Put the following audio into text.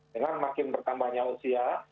dengan makin bertambahnya usia